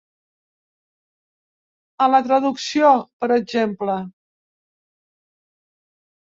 A la traducció, per exemple.